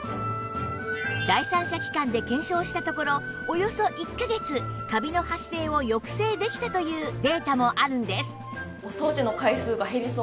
第三者機関で検証したところおよそ１カ月カビの発生を抑制できたというデータもあるんです